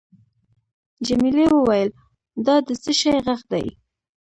جميلې وويل:: دا د څه شي ږغ دی؟